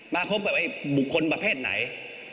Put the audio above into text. คบกับไอ้บุคคลประเภทไหน